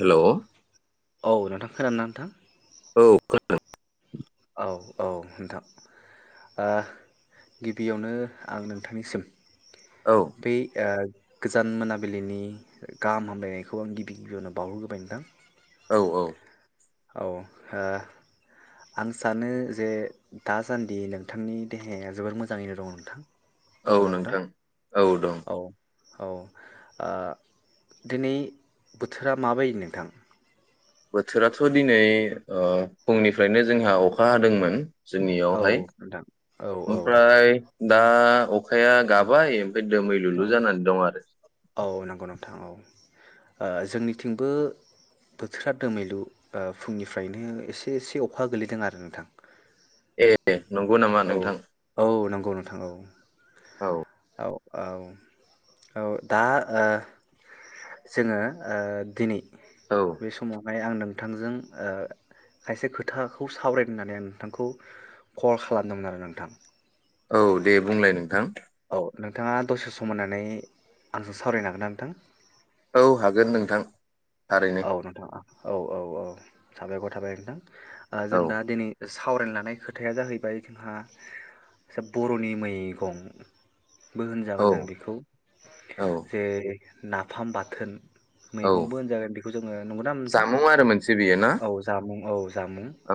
Hello औ नोंथां खोनादोंना? थां। औ खोनादों। औ औ नोंथां ओ गिबियावनो आं नोंथांनिसिम औ बे ओ गोजान मोनाबिलिनि गाहाम हामलायनायखौ आं गिबि गिबियावनो बावहरग्रोबाय नोंथां। औ औ। औ ओ आं सानो जे दासान्दि नोंथांनि देहाया जोबोर मोजाङैनो दङ नोंथां। औ नोंथां औ दं। औ औ ओ दिनै बोथोरा माबायदि नोंथां? बोथोराथ' दिनै ओ फुंनिफ्रायनो जोंहा अखा हादोंमोन। औ जोंनियावहाय नोंथां औ औ ओमफ्राय दा अखाया गाबाय। ओइ औ दोमैलुलु जानानै दं आरो। औ नंगौ नोंथां औ ओ जोंनिथिंबो बोथोरा दोमैलु ओ फुंनिफ्रायनो एसे एसे अखा गोलैदों आरो नोंथां। ए नंगौ नामा नोंथां? थां औ। औ। औ औ दा ओ जोङो ओ दिनै औ बे समावहाय आं नों थांजों ओ खायसे खोथाखौ सावरायनो होननानै आं नोंथांखौ कल खालामदोंमोन आरो नोंथां। औ दे बुंलाय नोंथां। औ नोंथांङा दसे सम होनानै आंजों सावरायनो हागोन ना नोंथां? औ हागोन नोंथां। थारैनो औ नोंथांङा औ औ औ। साबायखर थाबाय नोंथा। ओ औ जों दा दिनै गोसो थावरायनो लानाय खोथाया जाहैबाय जोंहा सोब बर'नि मैगं। बो औ होनजागोन जों बिखौ औ जे नाफाम बाथोन। औ मैगंबो होनजागोन। बेखौ जोंङो नंगौना नोंथां जामुं आरो मोनसे बेयो ना औ जामुं औ जामुं औ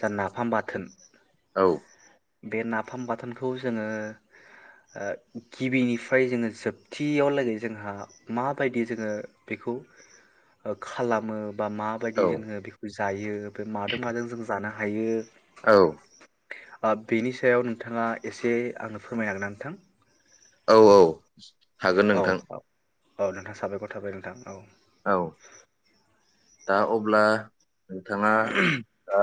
जा नाफाम बाथोन। औ। बे नाफाम बाथोनखौ जोंङो ओ गिबिनिफ्राय जोंङो जोबथियाव लागै जोंहा माबायदि जोंङो बेखौ ओ खालामो दा औ माबायदि जोंहो बिखौ जो जायो। दो मादो माजों जों जानो हाग हायो। औ। ओब बेनि सायाव नोंथांङा एसे आंनो फोरमायनो हागोन ना नोंथां? औ औ। हागोन औ नोंथां। औ औ नोंथां साबायखर थाबाय नोंथां औ। औ दा अब्ला नोंथांङा ओ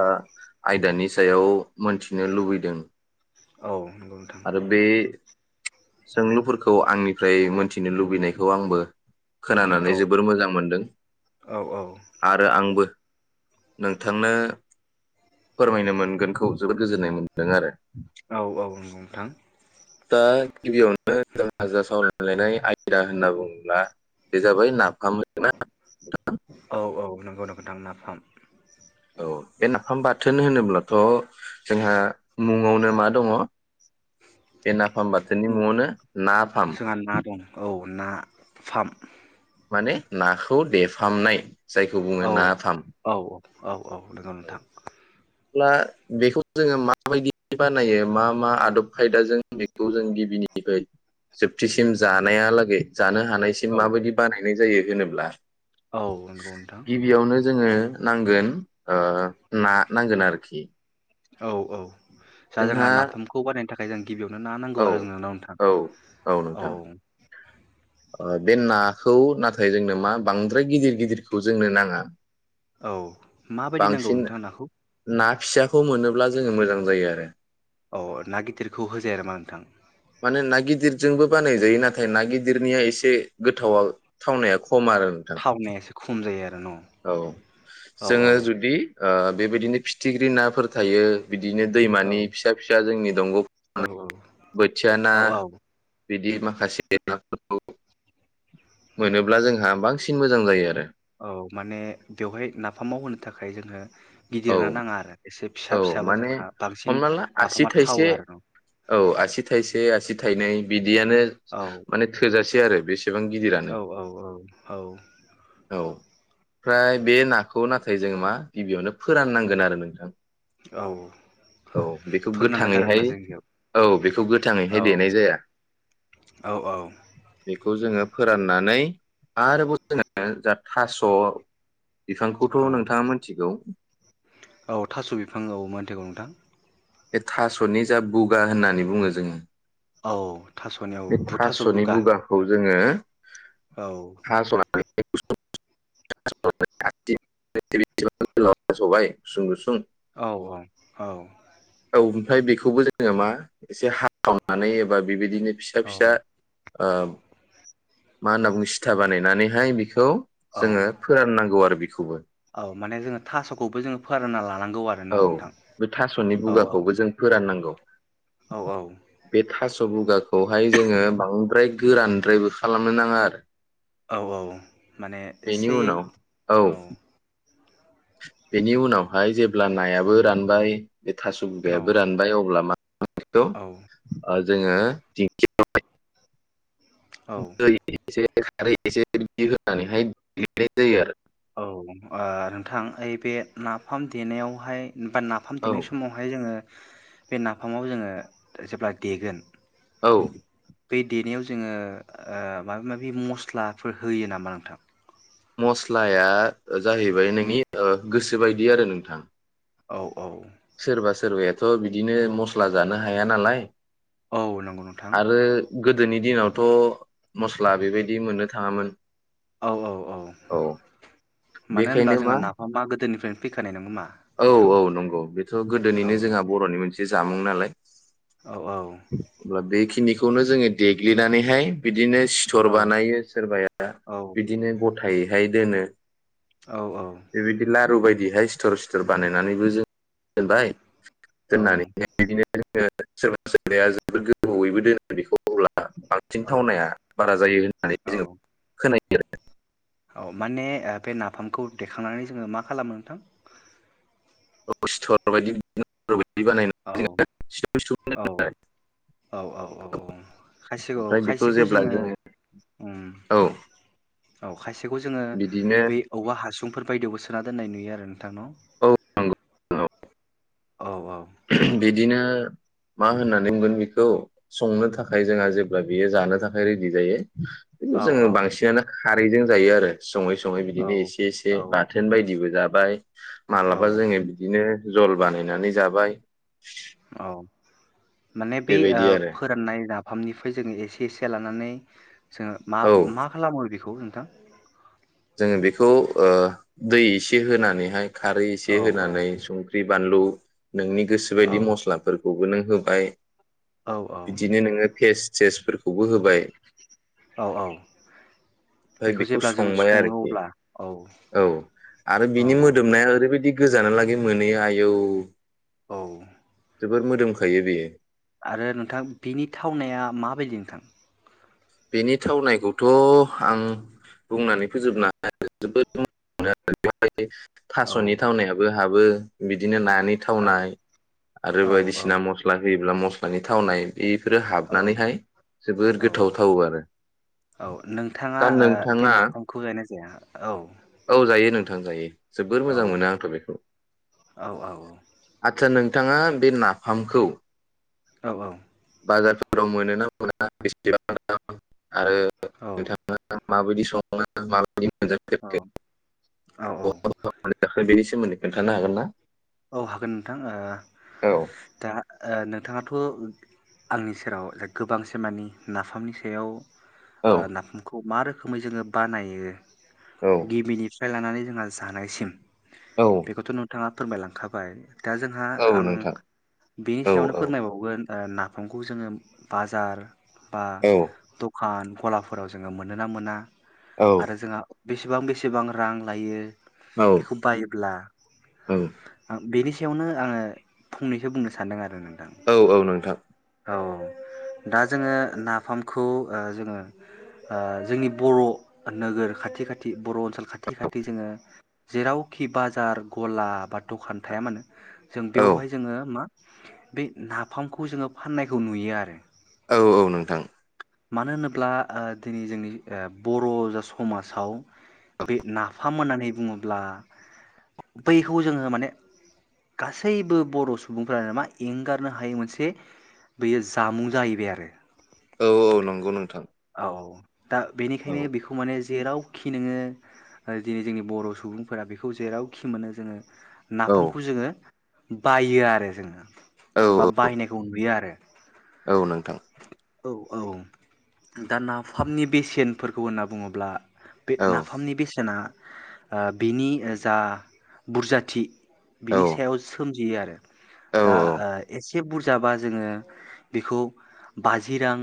आयदानि सायाव मोनथिनो लुबैदों। औ। नंगौ नोंथां आरो बेे सोंलुफोरखौ आंनिफ्राय मोनथिनो लुबैनायखौ आंबो औ खोनानानै जोबोर मोजां मोनदों औ औ आरो आंबो नोंथांनो फोरमायनो मोनगोनखौ जोबोद गोजोननाय मोनदों आरो। औ औ नंगौ नोंथां। दा गिबियावनो जोंहा जा सावरायनोलानाय आयदा होनना बुङोब्ला बे जाबाय नाफाम ना [unintelligible] थां नाफाम‌। औ बे नाफाम बाथोन होनोब्लाथ' जोंहा मुङावनो मा दङ बे नाफाम बाथोननि मुंआवनो ना फाम। जोंहा ना दं औ ना फाम। माने नाखौ देफामनाय जायखौ औ बुङो ना फाम। औ औ। औ नोंगौ नोंथां। अब्ला बेखौ जोङो माबायदि बानायो मा मा आदब खायदाजों बेखौ जों गिबिनिफ्राय जोबथिसिम जानायालागै जानो औ हानायसिम माबायदि बानाय [unintelligible] जायो होनोब्ला औ नंगौ नोंथां। गिबियावनो जोङो नांगोन ओ ना नांगोन आरोखि। औ औ। दा जोंहा नाफामखौ बानाय थाखाय जों गिबियावनो ना नांगौ औ आरोना नोंथां औ औ। ओ बे नाखौ नाथाय जोंनो मा बांद्राय गिदिर गिदिरखौ जोंनो नाङा। औ माबायदि नांगौ बांसिन नोंथां नाखौ? ना फिसाखौ मोनोब्ला जोङो मोजां जायो आरो। अ' ना गिदिरखौ होजाया नामा नोंथां? मानो ना गिदिरजोंबो बानायजायो नाथाय ना गिदिरनिया एसे गोथावा थावनाया ख खम आरो नोंथां। थावनाया एसे खम जायो आरो न' औ औ औ जोङो जुदि ओ बेबायदिनो फिथिख्रि नाफोर थायो। बिदिनो औ दैमानि फिसा फिसा जोंनि दंग' बोथिया ना। औ औ बिदि माखासे नाफोरखौ मोनोब्ला जोंहा बांसिन मोजां जायो आरो। औ माने बेवहाय नाफाम माव होनो थाखाय जोङो औ औ फिसाबा माने जोंहा बांसिन हमना ला आसि नाफामा थावो थाइसे आरो न औ आसि थाइसे आसि थायनै बि बियानो औ माने थोजासे आरो बेसेबां गिदिरानो औ औ औ औ औ। ओमफ्राय बे नाखौ नाथाय जों मा गिबियावनो फोराननांगोन आरो नोंथां। औ औ बेखौ फोरोंनांगोन गोथाङैहाय आरोना जोंनियाव औ बेखौ गोथाङैहाय औ देनाय जाया औ औ बेखौ जोङो। फोराननानै आरोबाव जोङो जा थास' बिफांखौथ' औ नोंथाङा मोनथिगौ। औ थास' बिफां औ मोनथिगौ नोंथां। बे थास'नि जा बुगा होननानै बुङो जोङो। औ थास'नियाव बे बुथास' थास'नि बुगा। बुगाखौ जोङो औ। [unintelligible] हास'बाय गुसुं गुसुं औ औ औ। औ ओमफ्राय बेखौबो जोङो मा एसे हाखावनानै एबा बेबादि बिदिनो फिसा औ फिसा ओब मा होनना बुङो सिथा बानायनानैहाय बेख औ बेखौबो औ माने जोङो थास'खौबो जोङो फोरानना लानांगौ आरो न औ नोंथां बे थास'नि औ औ बुगाखौबो जों फोरान नांगौ। औ औ। स' बुगाखौहाय जोङो बांद्राय गोरानद्रायबो खालामनो नाङा आरो औ औ माने बेनि एसेयै उनाव औ। बेनि उनावहाय जेब्ला नायाबो रानबाय बे थास' औ बुगायाबो रानबाय अब्ला मा? औ [unintelligible] जोङो [unintelligible] औ जायो एसे। खारै एसे बिदि होनानैहाय लिरनाय जायो आरो औ ओ नोंथां ओइ बे नाफाम देनायावहाय बा नाफाम आरो देनाय समावहाय जोङो बे नाफामाव जोङो जेब्ला देगोन औ औ बे देनायाव ज जोङो ओ माबा माबि मस्लाफोर होयो नामा नोंथां? मस्लाया जाहैबाय नोंनि ओ गोसोबायदि आरो नोंथां। औ औ सोरबा सोरबायाब थ' बिदिनो मस्ला जानो हाया नालाय औ नंगौ नोंथां। आरो गोदोनि दिनावथ' मस्ला बेबायदि मोननो थाङामोन। औ औ औ मानो बेखायनो होनबा मा जोंहा नाफाम मा गोदोनिफ्रायनो फैखानाय नङा मा? औ औ नंगौ बेथ' गोदोनिनो जोंहा बर'नि मोनसे जामुं नालाय औ औ खौनो जोंङो देग्लिनानैहाय बिदिनो सिथर औ बानायो सोरबाया औ बिदिनो ग थायैहाय दोनो। औ बे बायदि लारु बायदि बे सिथर बानायनानैबो जों दोनबाय औ दोननानै हाय बिदिनो सोरबा सोरबाया जोबोद गोबावैबो दोनो आरो बिखौ अब्ला बांसिन थावनाया बारा जायो होननानै औ जोंङो खोनायो। औ माने बे नाफामखौ देखांनानै जोंङो मा खालामो नोंथां [unintelligible] औ जोङो सिथर सिथुमना औ दोनो आरो औ औ औ औ ओमफ्राय बेखौ खायसेखौ-खायसेखौ जेब्ला जोंङो जोङो औ औ खायसेखौ जोंङो बिदिनो बै औवा हा सुंफोर बायदियावबो सोना दोननाय नुयो आरो। नोंथां औ नंगौ औ औ औ बिदिनो मा होननानै बुंगोन बेखौ संनो थाखाय जोंहा जेब्ला बेयो जानो थाखाय रेडि जायो औ जोंङो औ बांसिनानो खारैजों जायो आरो सङै सं ङै बिदिनो एसे एसे औ बाथोन बायदिबो जा बाय औ मालाबा जोंङो बिदिनो जल बानायनानै जाबाय [inaudible] [inaudible] माने बै बेबायदि आरो फोराननाय ना फामनिफाय जोंङो एसे एसे लानानै जोंङो मा औ मा खालामो बे खौ नोंथां जोंङो बेखौ दै एसे होनानैहाय खारै एसे औ औ होनानै सं खरि बानलु नोंनि औ गोसोबायदि मस्लाफोरखौबो नों होबाय औ बिदि नो नोंङो फेस्ट सेस फोरखौबो होबाय औ औ बेखौ जेब्ला जोंङो यारोखि औ आरो औ बिनि औ मोदोमनाया ओरै बायदि गोजानालागै मोनोयो आयौ औ जोबोर मोदोमखायो बेयो। आरो नोंथां बिनि थावनाया माबायदि नोंथां? बेनि थावनायखौथ' आं बुंनानै फोजोबनो [unintelligible] [unintelligible] औ थास'नि थावनायाबो हाबो। बिदिनो ना नि औ थावनाय आरो औ औ बायदिसिना मसला होयोब्ला मस्लानि थावनाय बेफोरो औ हाबनानैहाय जोबोर औ गोथाव थावो आरो औ नोंथाङा दा ओ बे नोंथांङा नाफामखौ जायोना जाया औ औ जायो नोंथां जायो जोबोद औ मोजां आथ' बेखौ, औ औ आतसा नों नोंथांङा बे नाफामखौ औ औ फ्राव मोनो ना मोना बेसेबां? [unintelligible] आरो औ नोंथांङा माबायदि संङो मा औ औ [unintelligible] सोमोन्दै खोन्थानो हागोन ना? औ हागोन नोंथां ओ औ दा ओ नोंथांङाथ' आंनि सेराव गोबां से मानानि नाफामनि सायाव ओ औ नाफामखौ मा रोखोम खोमै जोंङो बानायो औ गिबिनि फ्राय लानानै जोंहा जानायसिम बेखौथ' नोंथांङा फोरमायलां खाबाय। दा जोंहा औ आं नोंथां बिनि औ सायावनो औ फोरमायबावगोन ओ नाफामखौ जोङो बाजार बा औ दखान गलाफोराव जोङो मोनोना मोना? औ आरो जोंहा बेसेबां बेसेबां रां लायो। बेखौ बायोब्ला औ बेनि सायावनो आङो फंनैसो बुंनो सानदों आरो ना औ औ नोंथां। औ दा जोङो नाफामखौ ओ जोङो ओ जोंनि बर' नोगोर खाथि खाथि बर' ओनसोल खाथि खाथि जोङो जेरावखि बाजार गला बा दखान थाया मानो जों औ बेवहाय जोङो मा बे नाफामखौ जोङो फाननायखौ नुयो आरो। औ औ नोंथां। मानो होनोब्ला ओ दिनै जोंनि बर' जा समाजाव बे नाफाम होननानै बुङोब्ला बैखौ जोङो माने गासैबो बर' सुबुंफ्रानो मा एंगारनो हायै मोनसे बेयो जामुं जाहैबाय आरो। औ औ नंगौ नोंथां। औ दा औ बेनिखायनो बेखौ माने जेरावखि नोङो ओ दिनै जोंनि बर' सुबुंफोरा बेखौ जेरावखि मोनो जोङो औ नाफामखौ जोङो बायो आरो जोङो। औ आंबा औ बाहायनायखौ नुयो आरो। औ नोंथां। औ औ दा नाफामनि बेसेनफोरखौ होनना बुङोब्ला बे औ नाफामनि बेसेना ओ बिनि जा बुरजाथि औ बिनि सायाव सोम जियो आरो। औ दा ओ ए से बुरजाबा जोङो बेखौ बाजि रां,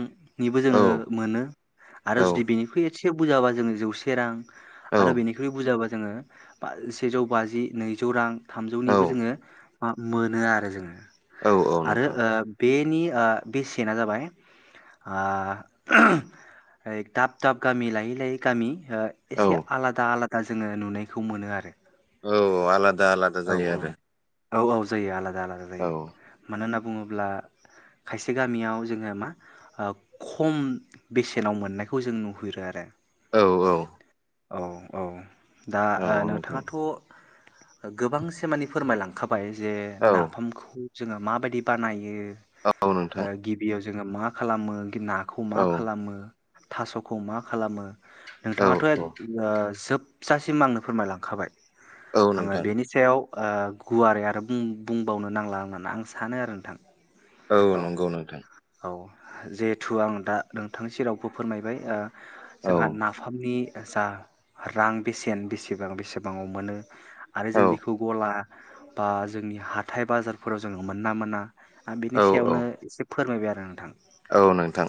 निबो औ जोङो मोनो आरो जुदि बेनि एसे बुरजाबा जोङो जौसे रां, औ आरो बेनिख्रुइ बुजाबा जोङो बा सेजौ बाजि नैजौ रां थामजौनिबो जोङो मा मोनो आरो जोङो औ औ आरो नोंथां ओ बे नि ओ बेसेना जाबाय ओ ऐ दाब दाब गामि लायै लायै गामि ओ औ एसे आलादा आला दा जोङो नुनायखौ मोनो आरो। औ आला दा आलादा औ जायो औ आरो। औ औ जायो आला दा आलादा जायो। मानोना बुङोब्ला खायसे गामियाव जोङो मा ओ खम बेसेनाव मोननायखौ जों नुहुरो आरो। औ औ। औ औ। दा औ ओ औ नोंथां नोंथाङाथ' गोबांसे मानि फोरमायलांखा बाय जे औ नाफामखौ जोङो माबायदि बानायो? औ ओ नोंथां। गिबियाव जोङो मा खालामो गिना खौ मा औ खालामो? थासखौ मा खालामो? औ नोंथाङाथ' एक औ ओ जोबजासिम आंनो फोरमायलांखाबाय। औ आङो नोंथां बेनि सायाव ओ गुवारै आरो बुं बुंबावनो नांला आंङोना आं सानो आरो नोंथां। औ नंगौ नोंथां। औ जिहेथु आं दा नोंथांनि सेरावबो फोरमायबाय ओ औ जोंहा नाफामनि जा रां बेसेन बेसेबां बेसेबाङाव मोनो आरो औ जों बेखौ गला बा जोंनि हाथाय बाजारफोराव जोङो मोना मोना आं बिनि औ औ सायावनो एसे फोरमायबाय आरो नोंथां। औ नोंथां।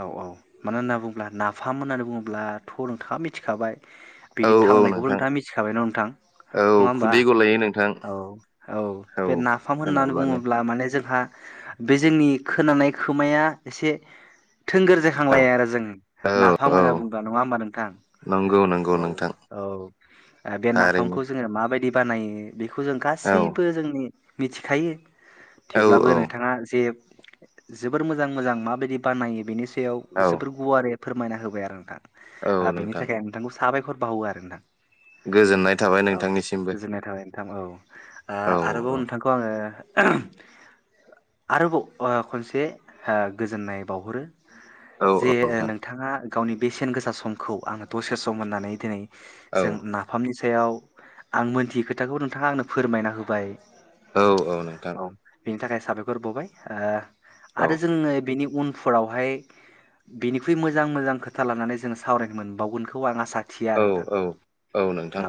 औ औ मानो होनना बुङोब्ला नाफाम होननानै बुङोब्लाथ' नोंथाङा मिथिखाबाय। औ बेनि औ थावनायखौबो नोंथां नोंथाङा मिथिखाबाय न नोंथां औ नङा होमबा खुदै गलायो नोंथां औ औ बे नाफाम होननानै खोनाब्लानो बुङोब्ला माने जोंहा बे जोंनि खोनानाय खोमाया एसे थोंगोर औ जेखांलायो आरो जों औ नाफाम औ होनना बुंबा नङा होमबा नोंथां नंगौ नंगौ औ नोंथां औ ओ बे थारैनो नाफामखौ जोङो माबायदि बानायो बेखौ जों औ गासैबो जोंनि मिथि खायो औ थेवब्लाबो औ नोंथाङा जे जोबोर मोजां मोजां माबायदि बानायो बेनि सा याव औ जोबोर गुवारै फोरमायना होबाय आरो नोंथां। औ ओ बेनि नोंथां थाखाय आं नोंथांखौ साबाय खर बावो आरो ना। गोजोननाय थाबाय नोंथांनिसिमबो। ओ औ आरोबाव औ नोंथांखौ आङो आरोबाव बा खनसे हो गोजोननाय बावहरो। औ जे ओ नोंथां नोंथाङा गावनि बेसेन गोसा समखौ आङो दसे सम होननानै दिनै औ जों नाफामनि सायाव आं मोनथियै खोथाखौ नोंथाङा आंनो फोरमायना होबाय। औ औ नोंथां। औ बेनि थाखाय साबायखर बावबाय। ओ औ आरो जोङो बेनि उन फोरावहाय बिनिख्रुइ मोजां मोजां खोथा लानानै जोङो सावरायनो मोनबावगोनखौ आं आसा थियो औ आरो नोंथां औ औ नोंथां।